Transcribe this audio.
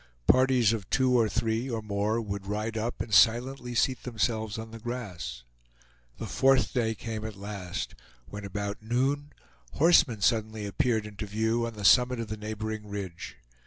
Parties of two or three or more would ride up and silently seat themselves on the grass. The fourth day came at last, when about noon horsemen suddenly appeared into view on the summit of the neighboring ridge.